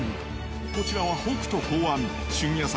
こちらは北斗考案、旬野菜